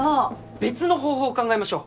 別の方法考えましょう。